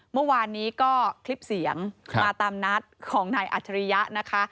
เมื่อวานนี้ก็คลิปเสียงมาตามนัดของนายอัจฉริยะนะคะ